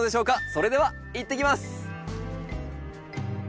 それではいってきます！